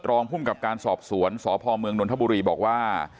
รองภูมิกับการสอบสวนสพเมืองนนทบุรีบอกว่า